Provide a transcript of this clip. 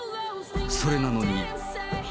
それなのに。